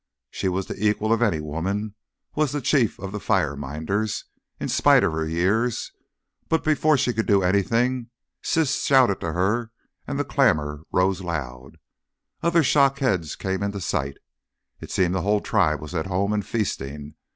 She was the equal of any woman, was the chief of the fire minders, in spite of her years; but before she could do anything Siss shouted to her and the clamour rose loud. Other shock heads came into sight. It seemed the whole tribe was at home and feasting.